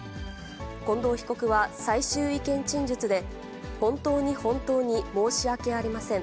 近藤被告は最終意見陳述で、本当に本当に申し訳ありません。